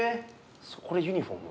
これユニフォーム？